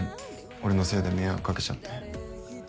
俺のせいで迷惑かけちゃって。